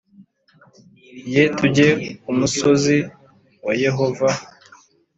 ye tujye ku musozi wa yehova